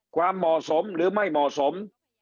ความเหมาะสมหรือไม่เหมาะสม